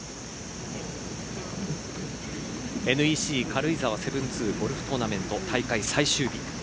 軽井沢７２ゴルフトーナメント大会最終日。